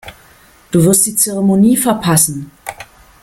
Du wirst die Zeremonie verpassen.